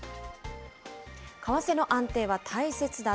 為替の安定は大切だ。